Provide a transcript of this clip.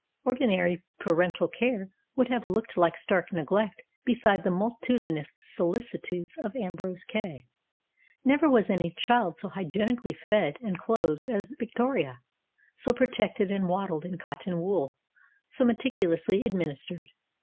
Ordinary parental care would have looked like stark neglect beside the multitudinous solicitudes of Ambrose Kay. Never was any child so hygienically fed and clothed as Victoria, so protected and waddled in cotton wool, so meticulously administered.